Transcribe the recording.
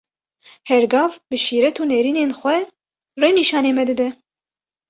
Her gav bi şîret û nêrînên xwe, rê nîşanî me dide.